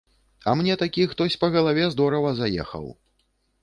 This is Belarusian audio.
А мне такі хтось па галаве здорава заехаў.